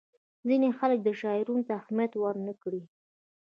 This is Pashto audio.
ځینې خلک شعارونو ته اهمیت ورنه کړي.